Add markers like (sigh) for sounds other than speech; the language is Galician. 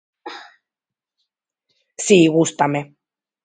(noise) Si, gústame.